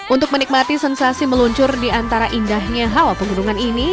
untuk menikmati sensasi meluncur di antara indahnya hawa pegunungan ini